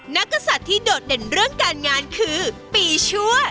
กษัตริย์ที่โดดเด่นเรื่องการงานคือปีชั่ว